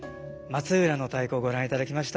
「松浦の太鼓」ご覧いただきました。